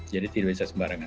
jadi tidak bisa sembarangan